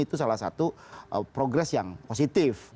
itu salah satu progres yang positif